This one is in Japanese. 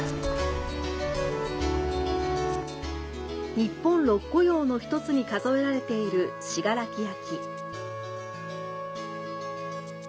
日本六古窯の１つと数えられている信楽焼。